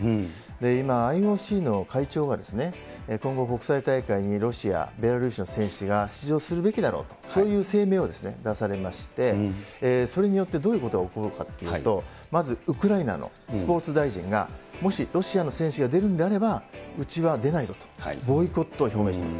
今、ＩＯＣの会長が、今後、国際大会にロシア、ベラルーシの選手が出場するべきだろうと、そういう声明を出されまして、それによって、どういうことが起こるかっていうと、まずウクライナのスポーツ大臣が、もしロシアの選手が出るんであれば、うちは出ないぞと、ボイコットを表明しています。